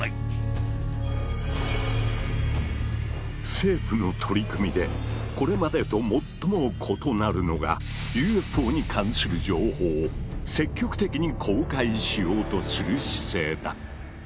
政府の取り組みでこれまでと最も異なるのがＵＦＯに関する情報を積極的に公開しようとする姿勢だ。